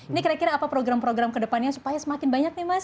ini kira kira apa program program ke depannya supaya semakin banyak nih mas